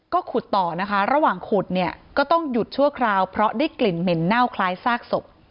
ก็ขุดต่อนะคะระหว่างขุดเนี่ยก็ต้องหยุดชั่วคราวเพราะได้กลิ่นเหม็นเน่าคล้ายซากศพ